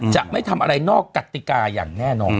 จะไม่ทำอะไรนอกกติกาอย่างแน่นอน